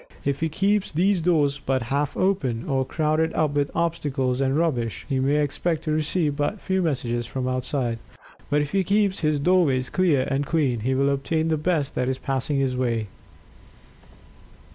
If he keeps these doors but half open, or crowded up with obstacles and rubbish, he may expect to receive but few messages from outside. But if he keeps his doorways clear, and clean, he will obtain the best that is passing his way.